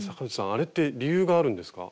あれって理由があるんですか？